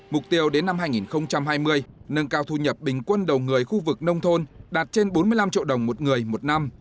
mục tiêu đến năm hai nghìn hai mươi nâng cao thu nhập bình quân đầu người khu vực nông thôn đạt trên bốn mươi năm triệu đồng một người một năm